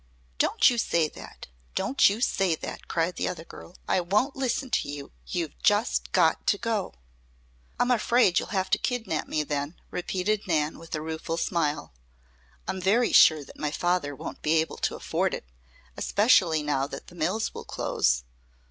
"Don't you say that! Don't you say that!" cried the other girl. "I won't listen to you! You've just got to go!" "I'm afraid you'll have to kidnap me, then," repeated Nan, with a rueful smile. "I'm very sure that my father won't be able to afford it, especially now that the mills will close."